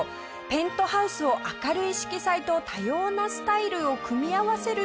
ペントハウスを明るい色彩と多様なスタイルを組み合わせる手法で装飾。